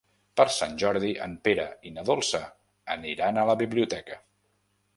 Per Sant Jordi en Pere i na Dolça aniran a la biblioteca.